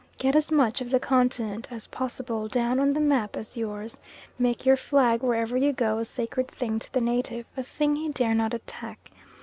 Get as much of the continent as possible down on the map as yours, make your flag wherever you go a sacred thing to the native a thing he dare not attack.